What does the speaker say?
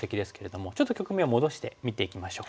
ちょっと局面を戻して見ていきましょう。